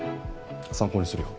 参考にするよ。